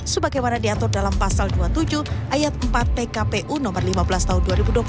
sebagaimana diatur dalam pasal dua puluh tujuh ayat empat pkpu nomor lima belas tahun dua ribu dua puluh satu